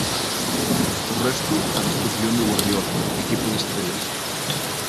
O resto a disposición de Guardiola, equipo de estrelas.